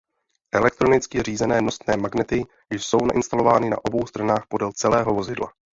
Elektronicky řízené nosné magnety jsou nainstalovány na obou stranách podél celého vozidla.